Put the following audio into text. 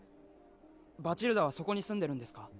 バチルダはそこに住んでるんですか？